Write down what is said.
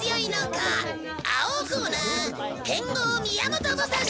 青コーナー剣豪宮本武蔵！